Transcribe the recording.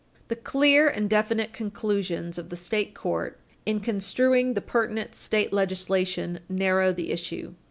The clear and definite conclusions of the state court in construing the pertinent state legislation narrow the issue.